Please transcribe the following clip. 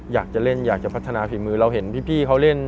อยากจะเล่นอยากจะพัฒนาฝีมือเราเห็นพี่เขาเล่น